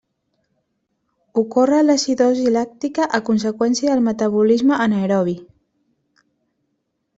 Ocorre l'acidosi làctica a conseqüència del metabolisme anaerobi.